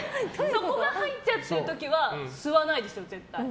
そこが入っちゃってる時は吸わないですよ、絶対。